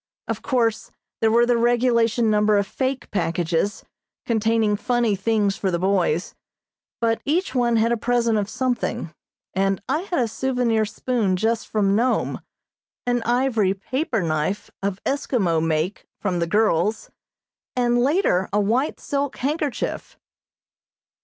Of course there were the regulation number of fake packages, containing funny things for the boys, but each one had a present of something, and I had a souvenir spoon just from Nome, an ivory paper knife of Eskimo make from the girls, and later a white silk handkerchief.